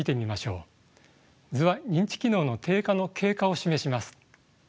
図は認知機能の低下の経過を示します。